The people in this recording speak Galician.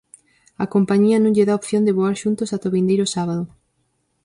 A compañía non lle dá opción de voar xuntos ata o vindeiro sábado.